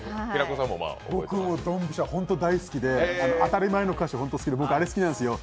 僕もドンピシャ、大好きで当たり前の歌詞、ホント好きで僕あれ、好きなんですよ。